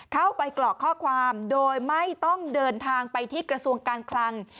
กรอกข้อความโดยไม่ต้องเดินทางไปที่กระทรวงการคลัง